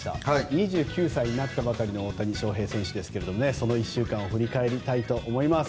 ２９歳になったばかりの大谷翔平選手ですがその１週間を振り返りたいと思います。